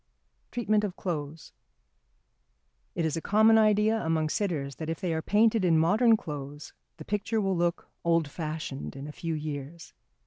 [Sidenote: Treatment of Clothes.] It is a common idea among sitters that if they are painted in modern clothes the picture will look old fashioned in a few years.